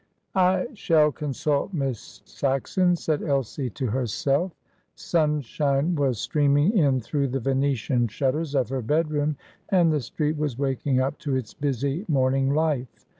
"I shall consult Miss Saxon," said Elsie to herself. Sunshine was streaming in through the Venetian shutters of her bedroom, and the street was waking up to its busy morning life.